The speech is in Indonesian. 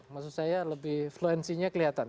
maksud saya lebih fluensinya kelihatan